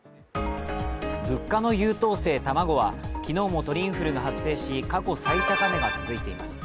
物価の優等生、卵は昨日も鳥インフルが発生し過去最高値が続いています。